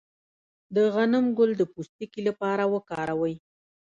د غنم ګل د پوستکي لپاره وکاروئ